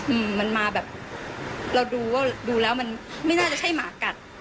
อืมมันมาแบบเราดูว่าดูแล้วมันไม่น่าจะใช่หมากัด